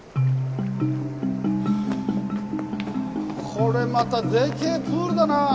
これまたでけえプールだなあ。